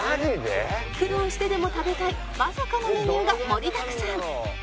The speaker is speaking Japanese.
苦労してでも食べたいまさかのメニューが盛りだくさん！